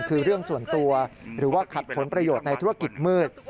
คือเรื่องส่วนตัวหรือว่าขัดผลประโยชน์ในธุรกิจมืด